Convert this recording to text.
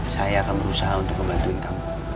saya akan berusaha untuk ngebantuin kamu